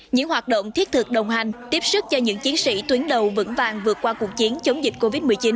những hoạt động thiết thực đồng hành tiếp sức cho những chiến sĩ tuyến đầu vững vàng vượt qua cuộc chiến chống dịch covid một mươi chín